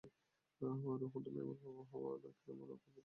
রোহন, তুমি আমার বাবা হওয়ায়, নাকি আমার গর্ভধারিণের?